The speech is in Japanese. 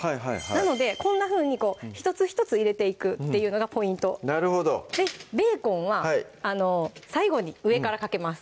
なのでこんなふうに１つ１つ入れていくっていうのがポイントベーコンは最後に上からかけます